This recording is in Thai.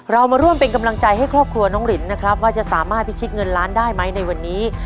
เรามาร่วมเป็นกำลังใจให้ครอบครัวน้องรินนะครับว่าจะสามารถพิชิตเงินล้านได้ไหมในวันนี้